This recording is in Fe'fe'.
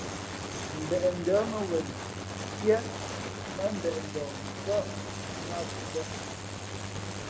Mbéʼ ndα̌ mά wen tíé nά mbeʼ ndαh mfάʼ nά ā pəpēʼ.